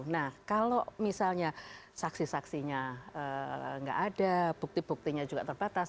nah kalau misalnya saksi saksinya nggak ada bukti buktinya juga terbatas